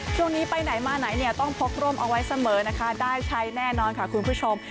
ช่วงนี้ไปไหนมาไหนเนี่ยต้องพกร่มเอาไว้เสมอนะคะได้ใช้แน่นอนค่ะคุณผู้ชม